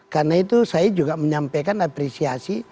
karena itu saya juga menyampaikan apresiasi